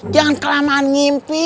jangan kelamaan ngimpi